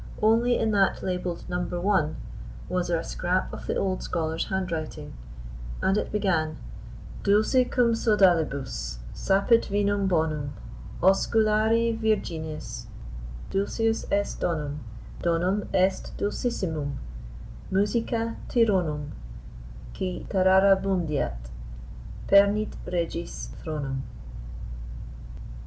Only in that labelled "No. 1" was there a scrap of the old scholar's handwriting, and it began "Dulce cum sodalibus Sapit vinum bonum: Osculari virgines Dulcius est donum: Donum est dulcissimum Musica tironum Qui tararaboomdeat, Spernit regis thronum!"